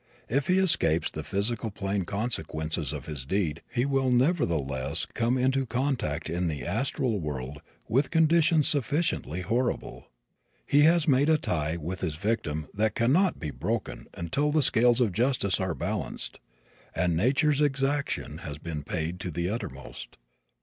If he escapes the physical plane consequences of his deed he will nevertheless come into contact in the astral world with conditions sufficiently horrible. He has made a tie with his victim that can not be broken until the scales of justice are balanced and nature's exaction has been paid to the uttermost.